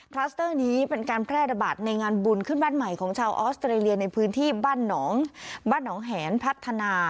สเตอร์นี้เป็นการแพร่ระบาดในงานบุญขึ้นบ้านใหม่ของชาวออสเตรเลียในพื้นที่บ้านหนองบ้านหนองแหนพัฒนา